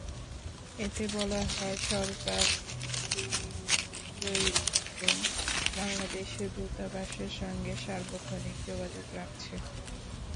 এতে বলা হয়, সরকার বৈরুতে বাংলাদেশ দূতাবাসের সঙ্গে সার্বক্ষণিক যোগাযোগ রাখছে।